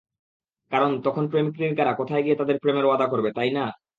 কারণ তখন প্রেমিক-প্রেমিকারা কোথায় গিয়ে তাদের প্রেমের ওয়াদা করবে, তাই না?